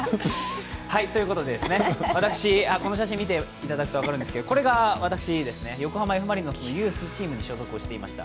私、この写真見ていただくと分かるんですけどこれが私ですね、横浜Ｆ・マリノスのユースチームに所属していました。